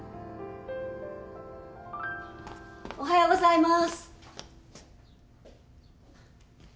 おはようございます。